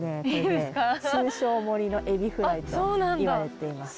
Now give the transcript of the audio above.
これね通称森のエビフライといわれています。